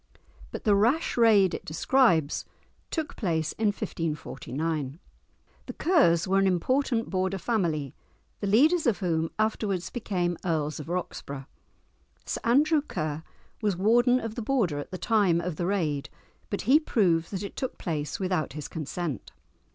But the rash raid it describes took place in 1549. The Kers were an important Border family, the leaders of whom afterwards became Earls of Roxburgh. Sir Andrew Ker was warden of the Border at the time of the raid, but he proved that it took place without his consent.